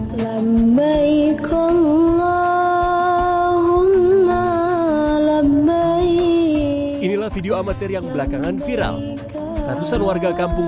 hai lembaga ikon allah allah lembaga inilah video amatir yang belakangan viral ratusan warga kampung